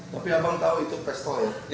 tapi abang tahu itu pistol ya